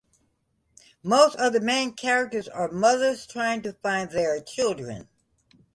Most of the main characters are mothers trying to find their children.